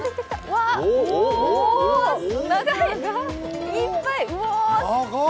お、長い！いっぱい。